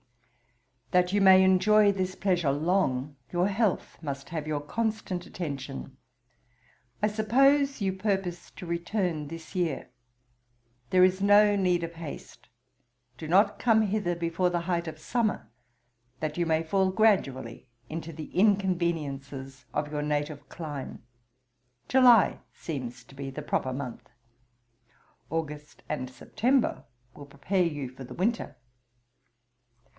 'That you may enjoy this pleasure long, your health must have your constant attention. I suppose you purpose to return this year. There is no need of haste: do not come hither before the height of summer, that you may fall gradually into the inconveniences of your native clime. July seems to be the proper month. August and September will prepare you for the winter.